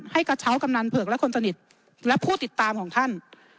กระเช้ากำนันเผือกและคนสนิทและผู้ติดตามของท่าน